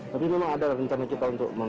tapi memang ada rencana kita untuk